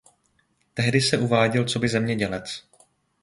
Tehdy se uváděl coby zemědělec.